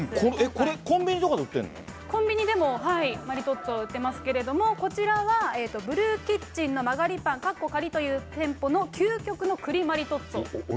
これ、コンビニとかで売ってコンビニでもマリトッツォ、売ってますけど、こちらはブルーキッチンの間借りパン、かっこ仮という店舗の究極のくりマリトッツォ。